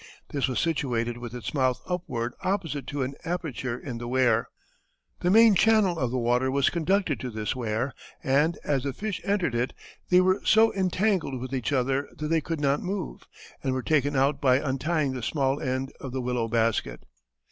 This was situated with its mouth upward opposite to an aperture in the weir. The main channel of the water was conducted to this weir, and as the fish entered it they were so entangled with each other that they could not move, and were taken out by untying the small end of the willow basket."